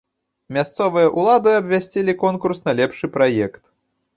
Мясцовыя ўлады абвясцілі конкурс на лепшы праект.